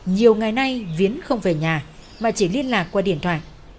nhiều ngày nay viến không về nhà mà chỉ liên lạc qua điện thoại